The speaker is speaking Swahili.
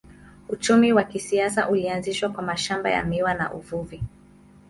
Uchumi wa kisasa ulianzishwa kwa mashamba ya miwa na uvuvi.